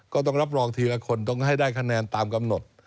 ก็ต้องรับรองทีละคนต้องให้ได้คะแนนตามกำหนด